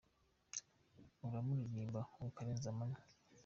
Uramuririmba ukarenza amanywa.